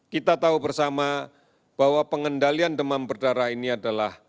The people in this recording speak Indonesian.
kita tahu bersama bahwa pengendalian demam berdarah ini adalah